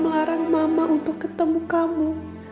melarang mama untuk ketemu kamu